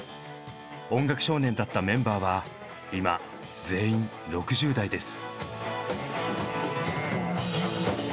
音楽少年だったメンバーは今全員６０代です。